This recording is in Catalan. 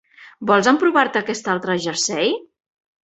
Vols emprovar-te aquest altre jersei?